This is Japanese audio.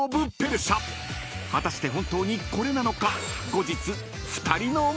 ［果たして本当にこれなのか？］